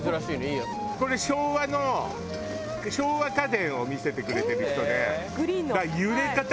これ昭和の昭和家電を見せてくれてる人で。